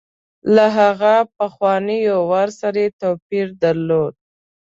له هغه پخواني وار سره توپیر درلود.